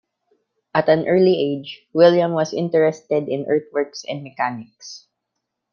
At an early age, William was interested in earthworks and mechanics.